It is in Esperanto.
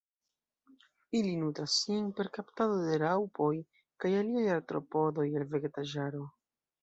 Ili nutras sin per kaptado de raŭpoj kaj aliaj artropodoj el vegetaĵaro.